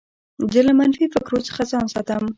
زه له منفي فکرو څخه ځان ساتم.